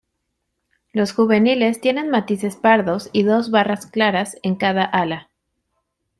Los juveniles tienen matices pardos y dos barras claras en cada ala.